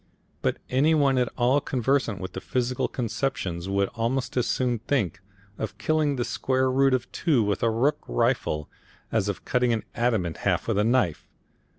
But any one at all conversant with physical conceptions would almost as soon think of killing the square root of 2 with a rook rifle as of cutting an atom in half with a knife.